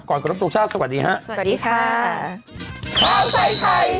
ก่อนก็รับรู้ชาติสวัสดีฮะ